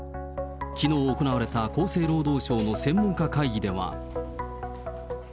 きのう行われた厚生労働省の専門家会議では。